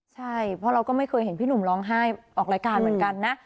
ใช่เพราะเราก็ไม่เคยเห็นพี่หนุ่มร้องไห้ออกรายการเหมือนกันนะ